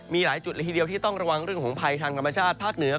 มีหลายจุดละทีเดียวที่ต้องระวังเรื่องของภัยทางธรรมชาติภาคเหนือ